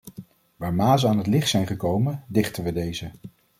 Waar mazen aan het licht zijn gekomen, dichten we deze.